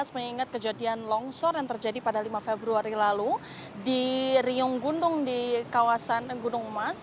mengingat kejadian longsor yang terjadi pada lima februari lalu di riung gunung di kawasan gunung emas